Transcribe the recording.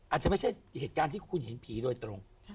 อาจจะไม่ใช่เหตุการณ์ที่คุณเห็นผีโดยตรง